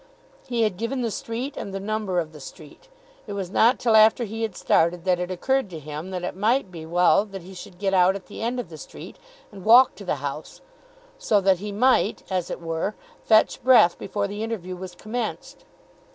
He had given the street and the number of the street. It was not till after he had started that it occurred to him that it might be well that he should get out at the end of the street, and walk to the house, so that he might, as it were, fetch his breath before the interview was commenced.